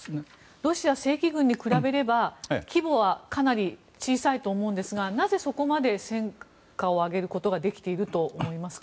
ロシア正規軍に比べれば規模はかなり小さいと思うんですがなぜそこまで戦果を上げることができていると思いますか？